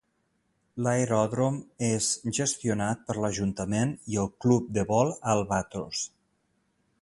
L'aeròdrom és gestionat per l'ajuntament i el club de vol Albatros.